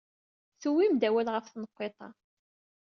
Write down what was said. Tuwyem-d awal ɣef tenqiḍt-a.